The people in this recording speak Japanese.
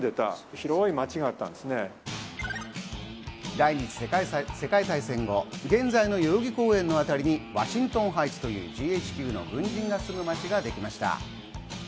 第二次世界大戦後、現在の代々木公園のあたりにワシントン・ハイツというＧＨＱの軍人が住む街ができました。